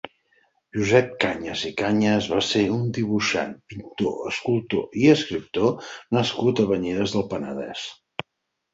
Josep Cañas i Cañas va ser un dibuixant, pintor, escultor i escriptor nascut a Banyeres del Penedès.